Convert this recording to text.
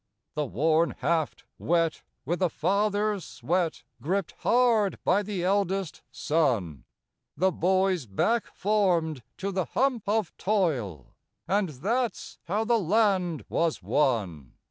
The worn haft, wet with a father's sweat, Gripped hard by the eldest son, The boy's back formed to the hump of toil And that's how the land was won!